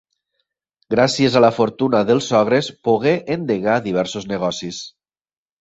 Gràcies a la fortuna dels sogres pogué endegar diversos negocis.